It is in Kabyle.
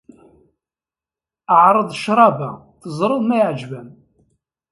Ɛreḍ ccrab-a, teẓreḍ ma iɛǧeb-am.